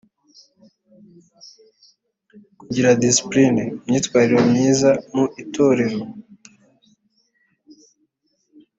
Kugira discipline (imyitwarire myiza) mu Itorero